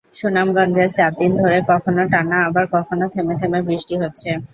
সুনামগঞ্জে চার দিন ধরে কখনো টানা আবার কখনো থেমে থেমে বৃষ্টি হচ্ছে।